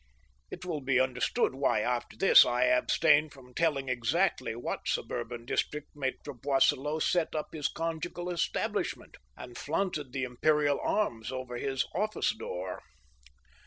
It will be understood why, after this, I abstain from telling ex actly what suburban district Maltre Boisselot set up his conjugal 4 THE STEEL HAMMER. establishment, and flaunted the imperial arms over his office door.